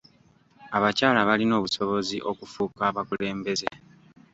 Abakyala balina obusobozi okufuuka abakulembeze.